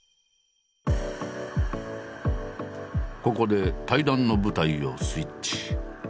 ここで対談の舞台をスイッチ。